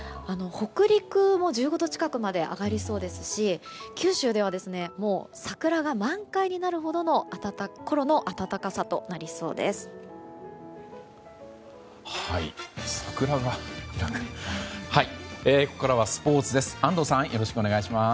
北陸も１５度近くまで上がりそうですし九州では桜が満開になるころの暖かさとなりそうです。